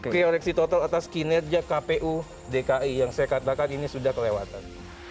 koreksi total atas kinerja kpu dki yang saya katakan ini sudah kelewatan